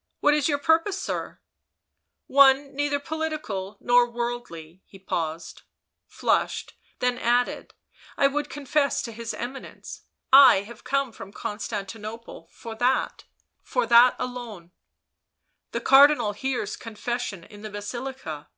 " What is your purpose, sir ?" "One neither political nor worldly"; he paused, flushed, then added, " I would confess to his Eminence: I have come from Constantinople for that — for that alone." " The Cardinal hears confession in the Basilica."